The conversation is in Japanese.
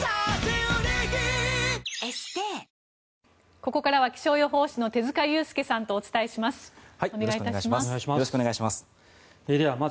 ここからは気象予報士の手塚悠介さんとお伝えします。